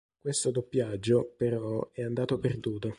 Questo doppiaggio, però, è andato perduto.